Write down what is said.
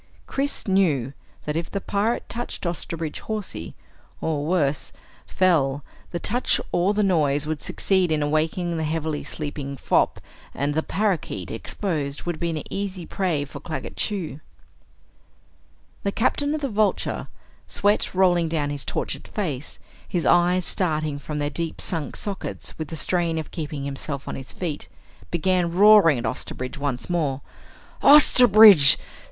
Chris knew that if the pirate touched Osterbridge Hawsey, or worse, fell, the touch or the noise would succeed in awakening the heavily sleeping fop and the parakeet, exposed, would be an easy prey for Claggett Chew. The Captain of the Vulture, sweat rolling down his tortured face, his eyes starting from their deep sunk sockets with the strain of keeping himself on his feet, began roaring at Osterbridge once more. "Osterbridge!